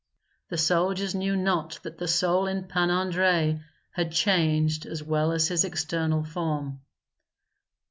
The soldiers knew not that the soul in Pan Andrei had changed as well as his external form.